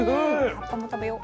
葉っぱも食べよう。